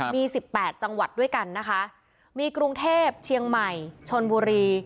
มีสิบแปดจังหวัดด้วยกันนะคะมีกรุงเทพเชียงใหม่ชนบุรี